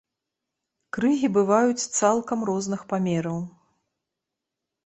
Крыгі бываюць цалкам розных памераў.